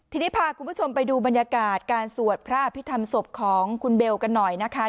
ทีนี้พาคุณผู้ชมไปดูบรรยากาศการสวดพระอภิษฐรรมศพของคุณเบลกันหน่อยนะคะ